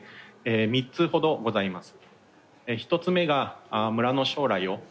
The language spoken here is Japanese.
３つほどございます。